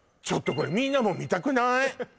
ちょっとこれみんなも見たくない？